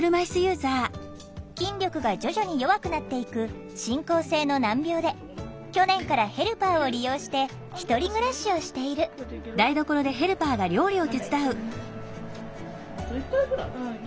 筋力が徐々に弱くなっていく進行性の難病で去年からヘルパーを利用して１人暮らしをしているうんまだいけるね。